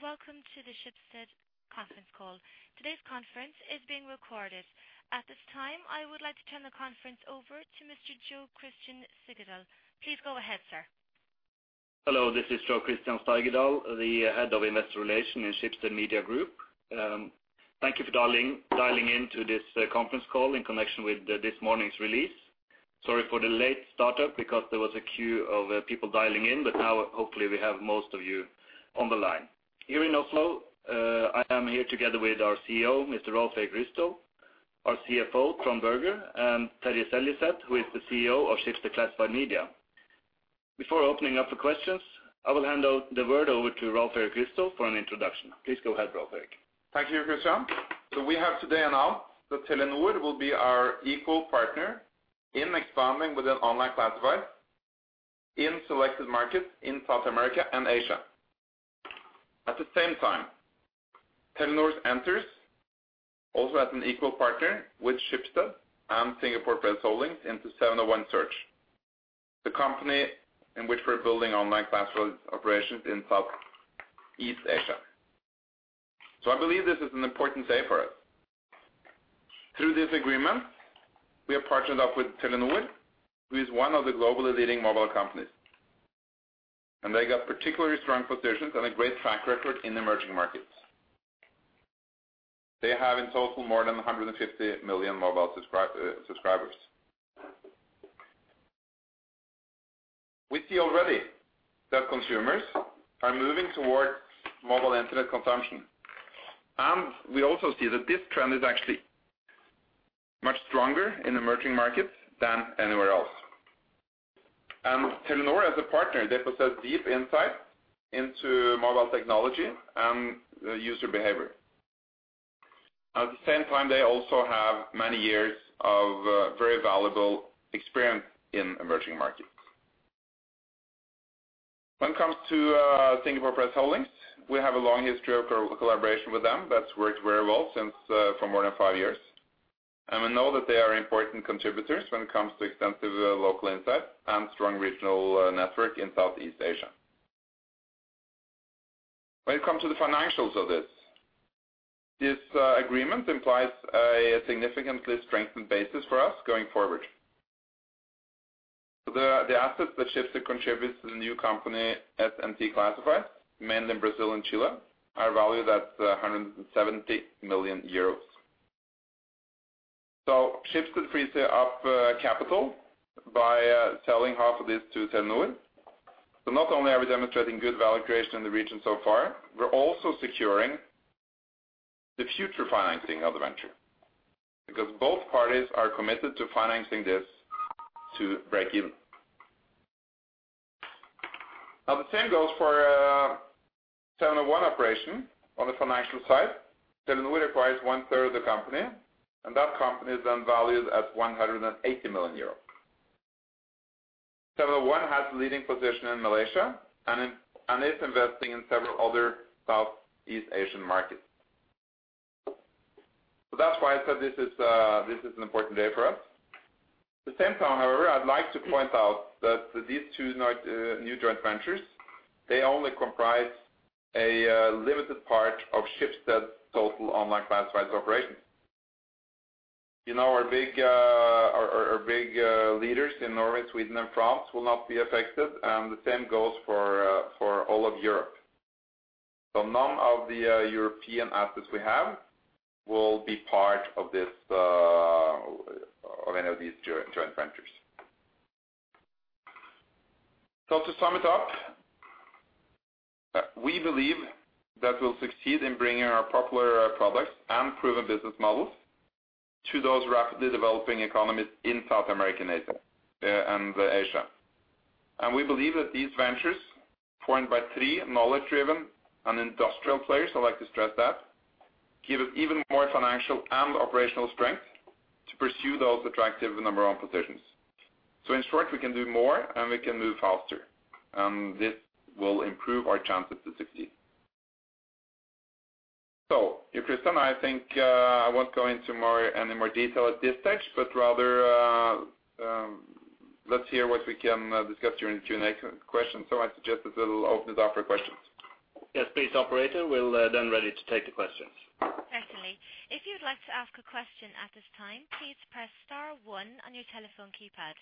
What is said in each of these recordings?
Welcome to the Schibsted conference call. Today's conference is being recorded. At this time, I would like to turn the conference over to Mr. Jo Christian Steigedal. Please go ahead, sir. Hello, this is Jo Christian Steigedal, the Head of Investor Relations in Schibsted Media Group. Thank you for dialing in to this conference call in connection with this morning's release. Sorry for the late startup because there was a queue of people dialing in, but now hopefully we have most of you on the line. Here in Oslo, I am here together with our CEO, Mr. Rolv Erik Ryssdal, our CFO, Trond Berger, and Terje Seljeseth, who is the CEO of Schibsted Classified Media. Before opening up for questions, I will hand the word over to Rolv Erik Ryssdal for an introduction. Please go ahead, Rolv Erik. Thank you, Christian. We have today announced that Telenor will be our equal partner in expanding with an online classified in selected markets in South America and Asia. At the same time, Telenor enters also as an equal partner with Schibsted and Singapore Press Holdings into 701Search, the company in which we're building online classified operations in Southeast Asia. I believe this is an important day for us. Through this agreement, we have partnered up with Telenor, who is one of the globally leading mobile companies, and they got particularly strong positions and a great track record in emerging markets. They have in total more than 150 million mobile subscribers. We see already that consumers are moving towards mobile Internet consumption. We also see that this trend is actually much stronger in emerging markets than anywhere else. Telenor as a partner, they possess deep insight into mobile technology and the user behavior. At the same time, they also have many years of very valuable experience in emerging markets. When it comes to Singapore Press Holdings, we have a long history of collaboration with them that's worked very well since for more than five years. We know that they are important contributors when it comes to extensive local insight and strong regional network in Southeast Asia. When it comes to the financials of this agreement implies a significantly strengthened basis for us going forward. The assets that Schibsted contributes to the new company, SnT Classifieds, mainly in Brazil and Chile, are valued at 170 million euros. Schibsted frees up capital by selling half of this to Telenor. Not only are we demonstrating good value creation in the region so far, we're also securing the future financing of the venture because both parties are committed to financing this to break even. The same goes for 701 operation on the financial side. Telenor acquires one-third of the company, and that company is then valued at 180 million euros. 701 has a leading position in Malaysia and is investing in several other Southeast Asian markets. That's why I said this is an important day for us. At the same time, however, I'd like to point out that these two new joint ventures, they only comprise a limited part of Schibsted's total online classifieds operations. You know, our big leaders in Norway, Sweden, and France will not be affected, and the same goes for all of Europe. None of the European assets we have will be part of this, of any of these joint ventures. To sum it up, we believe that we'll succeed in bringing our popular products and proven business models to those rapidly developing economies in South America and Asia. We believe that these ventures, formed by three knowledge-driven and industrial players, I'd like to stress that, give us even more financial and operational strength to pursue those attractive number one positions. In short, we can do more, and we can move faster, and this will improve our chances to succeed. Jo Christian, I think, I won't go into any more detail at this stage, but rather, let's hear what we can discuss during Q&A questions. I suggest that we'll open it up for questions. Yes, please, operator. We'll, then ready to take the questions. Certainly. If you would like to ask a question at this time, please press star one on your telephone keypad.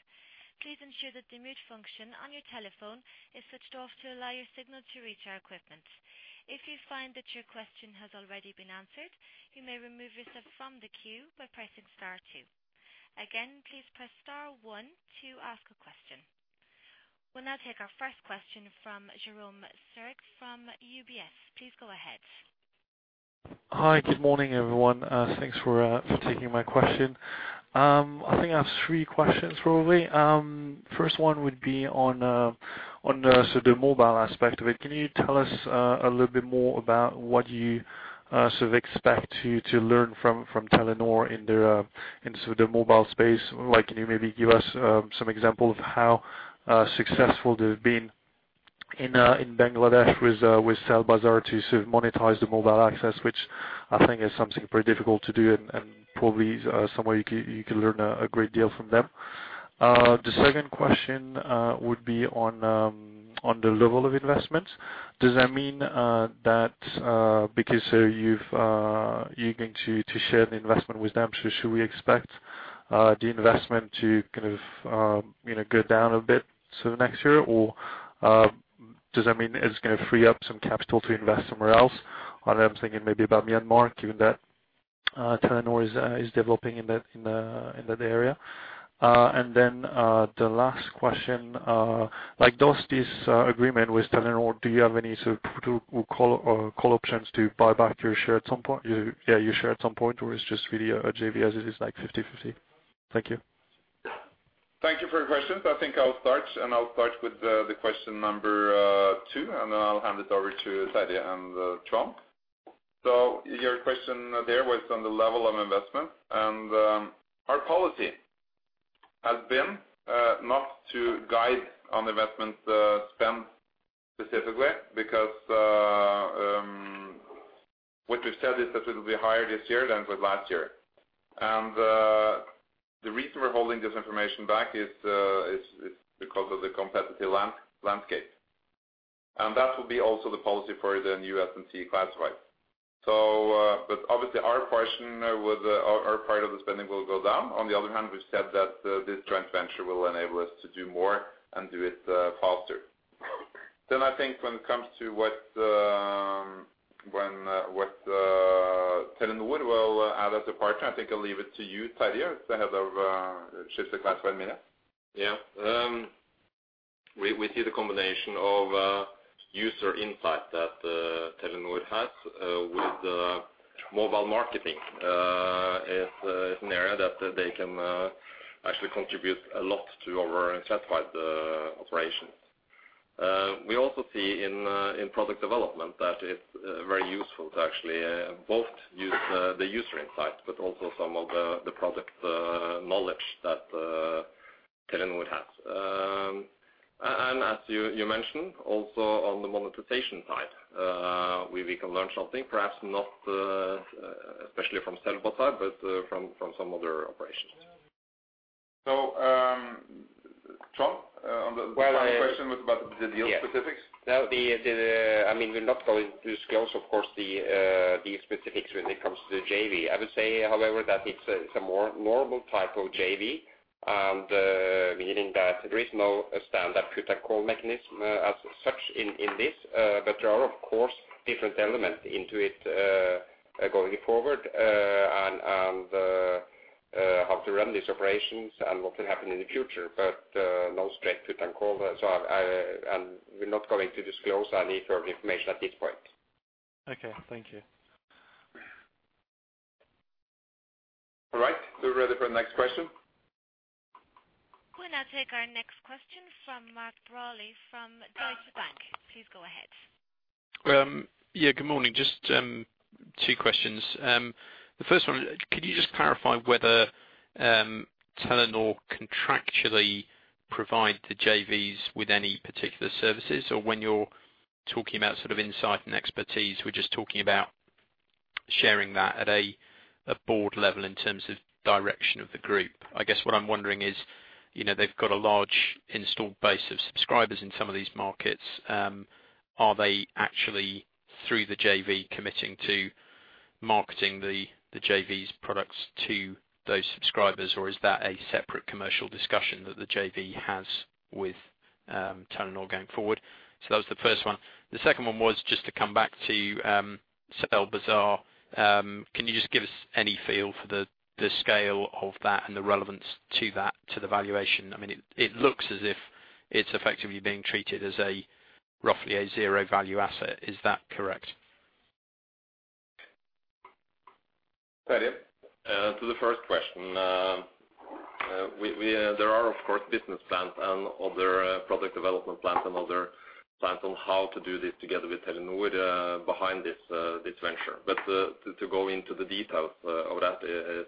Please ensure that the mute function on your telephone is switched off to allow your signal to reach our equipment. If you find that your question has already been answered, you may remove yourself from the queue by pressing star two. Again, please press star one to ask a question. We'll now take our first question from Jerome Ramel from UBS. Please go ahead. Hi, good morning, everyone. thanks for taking my question. I think I have three questions probably. first one would be on so the mobile aspect of it. Can you tell us a little bit more about what you sort of expect to learn from Telenor in the sort of the mobile space? Like, can you maybe give us some example of how successful they've been in Bangladesh with CellBazaar to sort of monetize the mobile access which-I think it's something very difficult to do and probably somewhere you can learn a great deal from them. The second question would be on the level of investment. Does that mean that because you've you're going to share the investment with them, so should we expect the investment to kind of, you know, go down a bit sort of next year? Does that mean it's gonna free up some capital to invest somewhere else? I'm thinking maybe about Myanmar, given that Telenor is developing in that area. The last question, like does this agreement with Telenor, do you have any sort of put or call options to buy back your share at some point? Yeah, your share at some point, or it's just really a JV as it is, like 50/50? Thank you. Thank you for your questions. I think I'll start, I'll start with the question number two, then I'll hand it over to Terje and Trond. Your question there was on the level of investment. Our policy has been not to guide on investment spend specifically because what we've said is that it'll be higher this year than for last year. The reason we're holding this information back is because of the competitive landscape. That will be also the policy for the new SnT Classifieds. But obviously our part of the spending will go down. On the other hand, we've said that this joint venture will enable us to do more and do it faster. I think when it comes to what Telenor will add as a partner, I think I'll leave it to you, Terje, as the head of Schibsted Classified Media. We see the combination of user insight that Telenor has with mobile marketing is an area that they can actually contribute a lot to our classified operations. We also see in product development that it's very useful to actually both use the user insight, but also some of the product knowledge that Telenor has. As you mentioned, also on the monetization side, we can learn something, perhaps not especially from Schibsted side, but from some other operations. Trond. Well, I. Final question was about the deal specifics. Yes. No, the, I mean, we're not going to disclose of course the specifics when it comes to the JV. I would say, however, that it's a more normal type of JV, and meaning that there is no standard put-and-call mechanism as such in this. There are of course different elements into it going forward. How to run these operations and what can happen in the future. No straight put and call. I, and we're not going to disclose any further information at this point. Okay. Thank you. All right. We're ready for the next question. We'll now take our next question from Mark Brawley from Deutsche Bank. Please go ahead. Yeah, good morning. Just two questions. The first one, could you just clarify whether Telenor contractually provide the JVs with any particular services? When you're talking about sort of insight and expertise, we're just talking about sharing that at a board level in terms of direction of the group. I guess what I'm wondering is, you know, they've got a large installed base of subscribers in some of these markets, are they actually through the JV committing to marketing the JV's products to those subscribers or is that a separate commercial discussion that the JV has with Telenor going forward? That was the first one. The second one was just to come back to CellBazaar. Can you just give us any feel for the scale of that and the relevance to that, to the valuation? I mean, it looks as if it's effectively being treated roughly a 0 value asset. Is that correct? Terje? To the first question, we there are of course business plans and other product development plans and other plans on how to do this together with Telenor behind this this venture. To go into the details of that is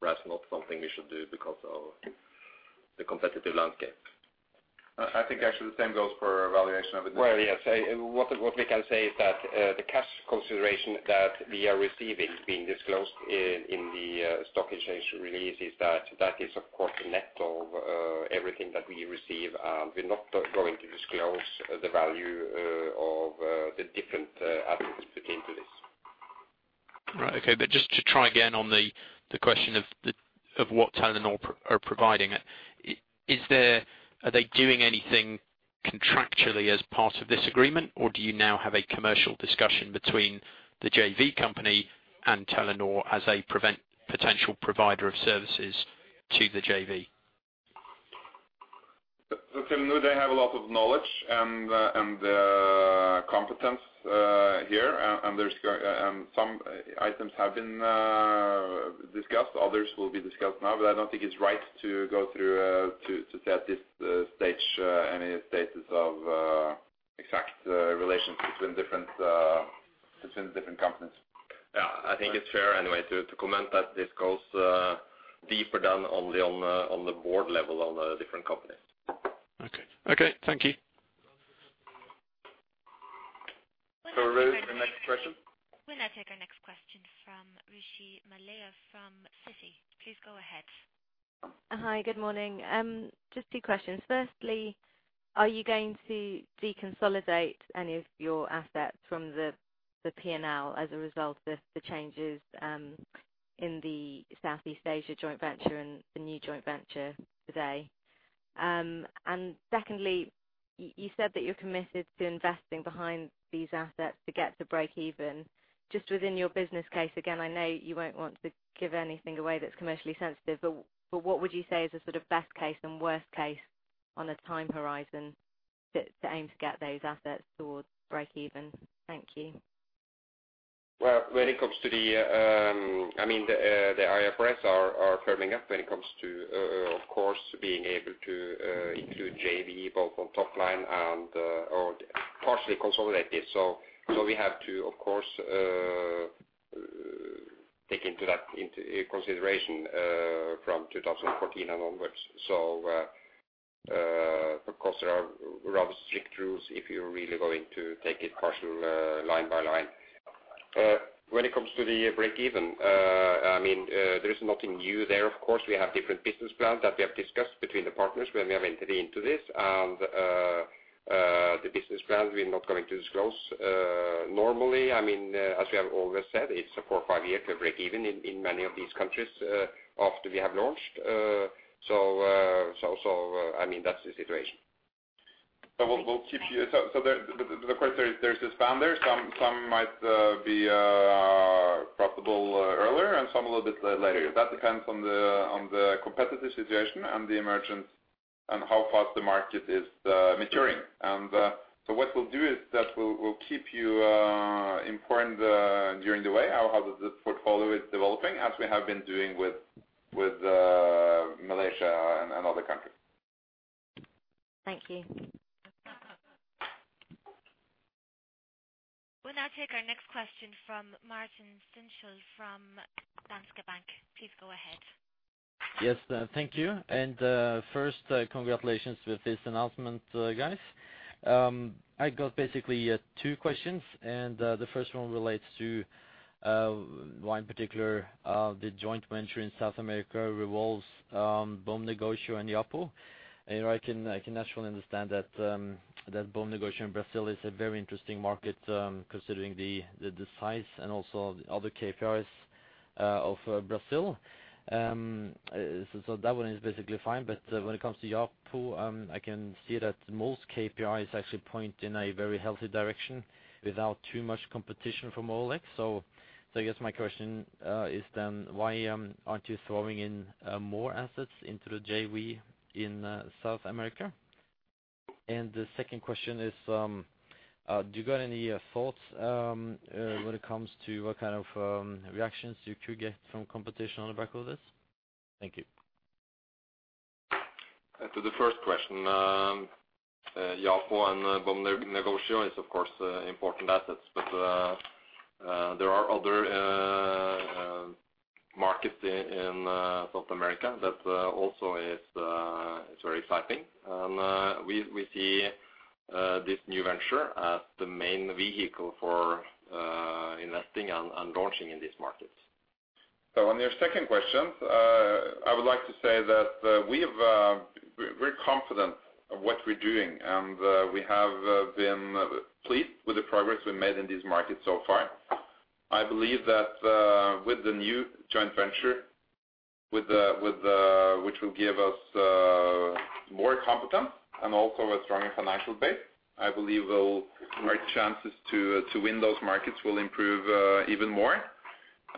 perhaps not something we should do because of the competitive landscape. I think actually the same goes for our valuation of it. Well, yes. What we can say is that the cash consideration that we are receiving being disclosed in the stock exchange release is that that is of course net of everything that we receive, and we're not going to disclose the value of the different assets that came to this. Right. Okay. Just to try again on the question of the, of what Telenor are providing. Is there, are they doing anything contractually as part of this agreement, or do you now have a commercial discussion between the JV company and Telenor as a potential provider of services to the JV? Telenor, they have a lot of knowledge and competence here. Some items have been discussed, others will be discussed now, but I don't think it's right to go through to say at this stage any status of exact relations between different companies. Yeah. I think it's fair anyway to comment that this goes deeper than on the board level on the different companies. Okay. Okay. Thank you. We'll now take our next question from Rishi Maliah from Citi. Please go ahead. Hi, good morning. Just two questions. Firstly, are you going to deconsolidate any of your assets from the P&L as a result of the changes in the Southeast Asia joint venture and the new joint venture today? Secondly, you said that you're committed to investing behind these assets to get to break even. Just within your business case, again, I know you won't want to give anything away that's commercially sensitive, but what would you say is a sort of best case and worst case on a time horizon to aim to get those assets towards break even? Thank you. When it comes to the, I mean, the IFRS are firming up when it comes to, of course, being able to include JV both on top line and or partially consolidated. We have to, of course, take into that into consideration from 2014 onwards. Of course there are rather strict rules if you're really going to take it partial, line by line. When it comes to the break even, I mean, there is nothing new there. Of course, we have different business plans that we have discussed between the partners when we have entered into this. The business plans we're not going to disclose. Normally, I mean, as we have always said, it's four, five years to break even in many of these countries, after we have launched. I mean, that's the situation. Thank you. We'll keep you. Of course there's this founder. Some might be profitable earlier and some a little bit later. That depends on the competitive situation and the emergence and how fast the market is maturing. What we'll do is that we'll keep you informed during the way how the this portfolio is developing as we have been doing with Malaysia and other countries. Thank you. We'll now take our next question from Martin Stenshall from Danske Bank. Please go ahead. Yes, thank you. First, congratulations with this announcement, guys. I got basically two questions, and the first one relates to one particular, the joint venture in South America revolves Bom Negócio and Yapo. You know, I can, I can naturally understand that Bom Negócio in Brazil is a very interesting market, considering the size and also the other KPIs of Brazil. That one is basically fine. When it comes to Yapo, I can see that most KPIs actually point in a very healthy direction without too much competition from OLX. I guess my question is then why aren't you throwing in more assets into the JV in South America? The second question is, do you got any thoughts, when it comes to what kind of reactions you could get from competition on the back of this? Thank you. To the first question, Yapo and Bom Negócio is of course important assets, but there are other markets in South America that also is very exciting. We see this new venture as the main vehicle for investing and launching in these markets. On your second question, I would like to say that we have, we're confident of what we're doing, and we have, been pleased with the progress we've made in these markets so far. I believe that, with the new joint venture, which will give us, more competence and also a stronger financial base, I believe will our chances to win those markets will improve, even more.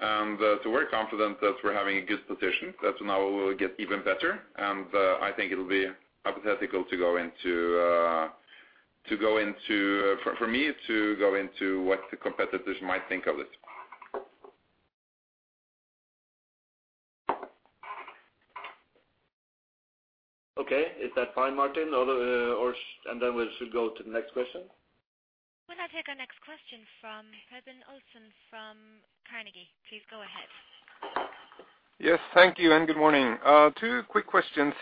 We're confident that we're having a good position that now will get even better. I think it'll be hypothetical For me to go into what the competitors might think of it. Okay. Is that fine, Martin? Or. Then we should go to the next question. We'll now take our next question from Robin Olsen from Carnegie. Please go ahead. Yes, thank you. Good morning. Two quick questions.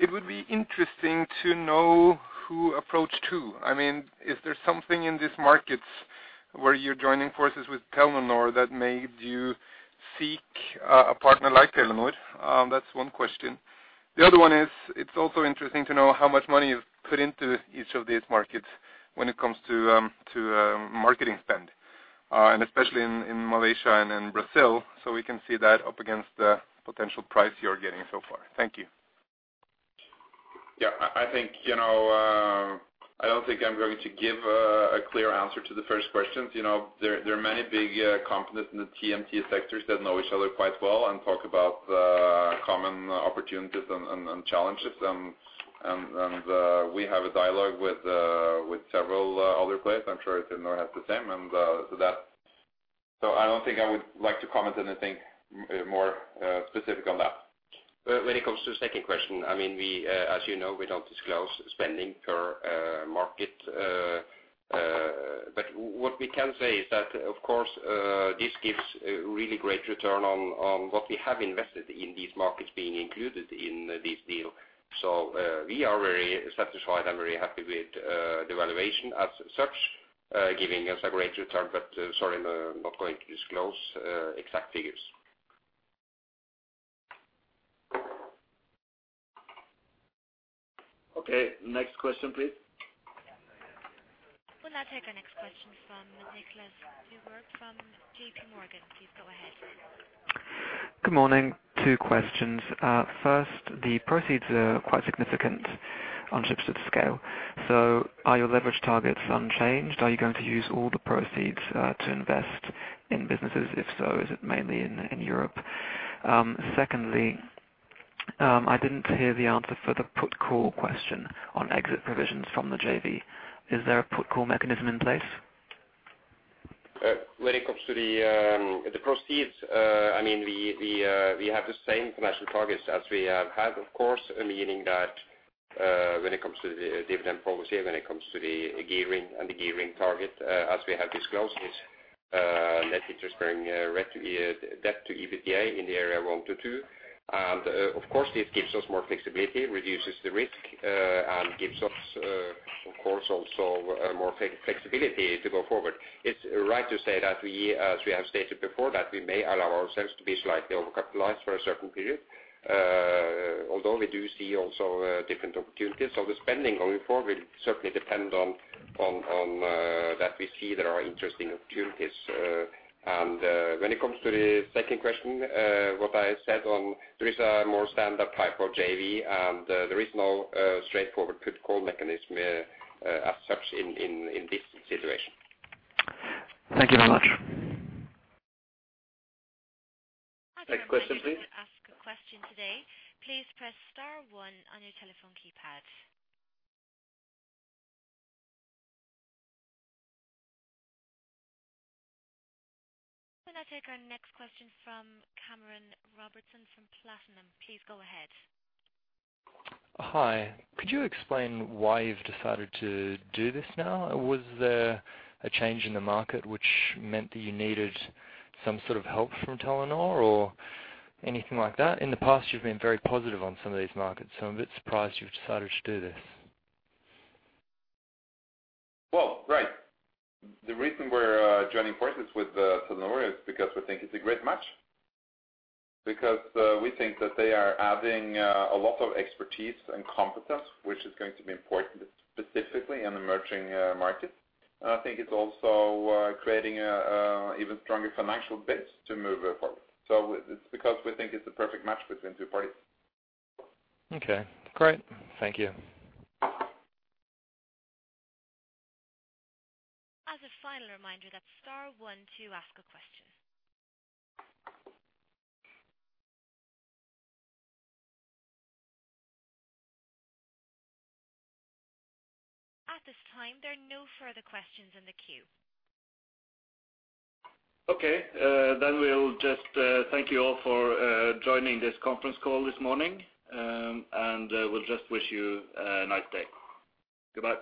It would be interesting to know who approached who. I mean, is there something in these markets where you're joining forces with Telenor that made you seek a partner like Telenor? That's one question. The other one is, it's also interesting to know how much money you've put into each of these markets when it comes to marketing spend, and especially in Malaysia and in Brazil. We can see that up against the potential price you're getting so far. Thank you. Yeah. I think, you know, I don't think I'm going to give a clear answer to the first questions. You know, there are many big companies in the TMT sectors that know each other quite well and talk about common opportunities and challenges. we have a dialogue with several other players. I'm sure Telenor has the same. So that. So I don't think I would like to comment anything more specific on that. When it comes to the second question, I mean, we, as you know, we don't disclose spending per market. What we can say is that, of course, this gives a really great return on what we have invested in these markets being included in this deal. We are very satisfied and very happy with the valuation as such, giving us a great return, but sorry, I'm not going to disclose exact figures. Okay. Next question, please. We'll now take our next question from Nicholas Dubber from JPMorgan. Please go ahead. Good morning. Two questions. First, the proceeds are quite significant on Schibsted's scale. Are your leverage targets unchanged? Are you going to use all the proceeds, to invest in businesses? If so, is it mainly in Europe? Secondly, I didn't hear the answer for the put-and-call question on exit provisions from the JV. Is there a put-and-call mechanism in place? When it comes to the proceeds, I mean, we have the same financial targets as we have had, of course, meaning that, when it comes to the dividend policy, when it comes to the gearing and the gearing target, as we have disclosed, net interest bearing debt to EBITDA in the area of 1%-2%. Of course, this gives us more flexibility, reduces the risk, and gives us, of course, also, more flexibility to go forward. It's right to say that we, as we have stated before, that we may allow ourselves to be slightly overcapitalized for a certain period, although we do see also, different opportunities. The spending going forward will certainly depend on that we see there are interesting opportunities, and when it comes to the second question, what I said on there is a more standard type of JV, and there is no straightforward put-and-call mechanism as such in this situation. Thank you very much. Next question, please. Ask a question today, please press star one on your telephone keypad. Can I take our next question from Cameron Robertson from Platinum? Please go ahead. Hi. Could you explain why you've decided to do this now? Was there a change in the market which meant that you needed some sort of help from Telenor or anything like that? In the past, you've been very positive on some of these markets, so I'm a bit surprised you've decided to do this. Right. The reason we're joining forces with Telenor is because we think it's a great match. Because we think that they are adding a lot of expertise and competence, which is going to be important specifically in emerging markets. I think it's also creating a even stronger financial base to move forward. It's because we think it's a perfect match between two parties. Okay, great. Thank you. As a final reminder, that's star one to ask a question. At this time, there are no further questions in the queue. Okay. We'll just, thank you all for, joining this conference call this morning, and, we'll just wish you a nice day. Goodbye.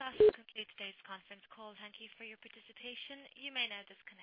That concludes today's conference call. Thank you for your participation. You may now disconnect.